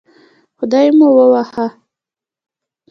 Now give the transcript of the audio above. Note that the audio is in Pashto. خدای مو ووهه